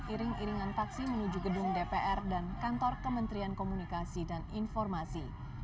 iring iringan taksi menuju gedung dpr dan kantor kementerian komunikasi dan informasi